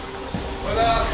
おはようございます。